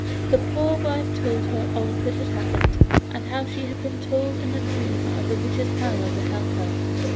The poor wife told her all that had happened and how she had been told in a dream of the witch's power to help her.